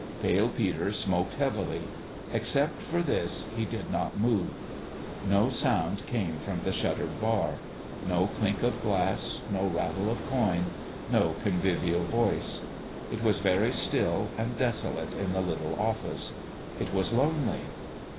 Pale Peter smoked heavily. Except for this he did not move. No sound came from the shuttered bar : no clink of glass, no rattle of coin, no convivial voice. It was very still and desolate in the little office. It was lonely.